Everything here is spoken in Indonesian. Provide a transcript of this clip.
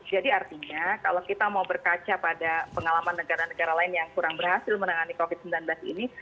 jadi artinya kalau kita mau berkaca pada pengalaman negara negara lain yang kurang berhasil menangani covid sembilan belas ini